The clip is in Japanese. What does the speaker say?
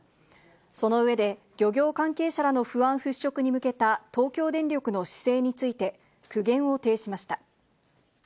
その上で、漁業関係者らの不安払拭に向けた東京電力の姿勢について、苦言を呈しました。